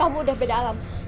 kamu udah beda alam